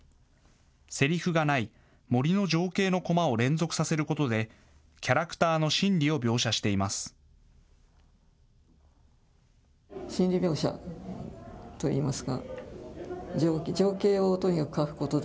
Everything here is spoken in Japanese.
せりふがない、森の情景のコマを連続させることでキャラクターの心理を描写しています。